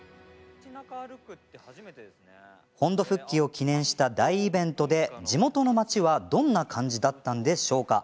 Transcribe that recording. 本土復帰を記念した大イベントで地元の町はどんな感じだったんでしょうか？